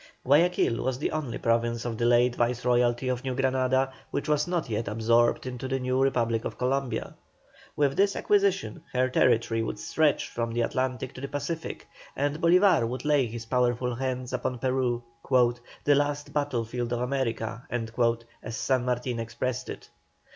Guayaquil was the only province of the late Viceroyalty of New Granada which was not yet absorbed in the new Republic of Columbia. With this acquisition her territory would stretch from the Atlantic to the Pacific, and Bolívar would lay his powerful hand upon Peru, "the last battlefield of America" as San Martin expressed it.